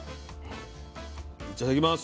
いただきます。